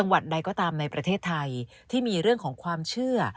เป็นประเทศไทยมีมีเรื่องของความเชื่อ